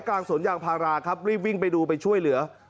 กลางสวนยางพาราครับรีบวิ่งไปดูไปช่วยเหลือ